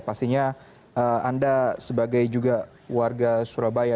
pastinya anda sebagai juga warga surabaya